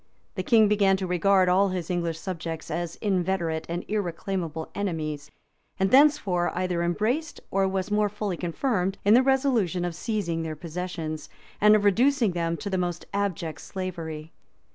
The king began to regard all his English subjects as inveterate and irreclaimable enemies; and thenceforth either embraced, or was more fully confirmed in the resolution of seizing their possessions, and of reducing them to the most abject slavery.